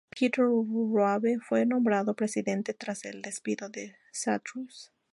Peter Raabe fue nombrado presidente tras el despido de Strauss.